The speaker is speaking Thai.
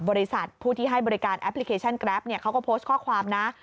บริษัทผู้ที่ให้บริการแอปพลิเคชันแกรปเขาก็โพสต์ข้อความนะ